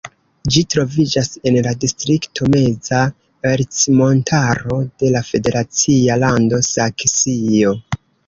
Ĝi troviĝas en la distrikto Meza Ercmontaro de la federacia lando Saksio.